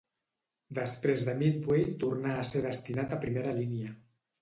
Després de Midway tornà a ser destinat a primera línia.